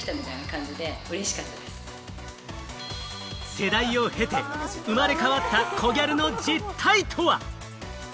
世代を経て生まれ変わったコギャルの実態とは？